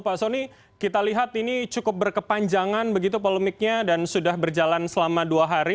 pak soni kita lihat ini cukup berkepanjangan begitu polemiknya dan sudah berjalan selama dua hari